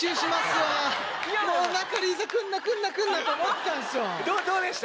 仲里依紗くんなくんなくんなと思ってたんですよ。